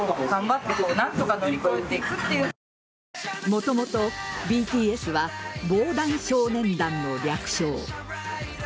もともとＢＴＳは防弾少年団の略称。